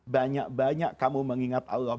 banyak banyak kamu mengingat allah